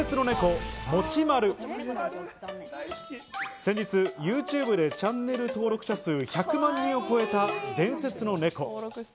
先日、ＹｏｕＴｕｂｅでチャンネル登録者数１００万人を超えた伝説の猫。